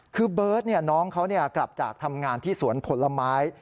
คือเบิร์ตน้องเขากลับจากทำงานที่สวนผลไม้